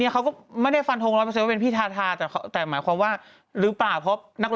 เขาไลฟ์หมดทุกอย่างคุณไม่รู้หรือคะ